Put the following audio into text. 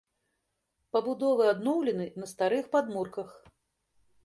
Пабудовы адноўлены на старых падмурках.